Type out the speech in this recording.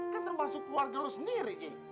kan termasuk keluarga lo sendiri